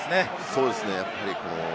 そうですね。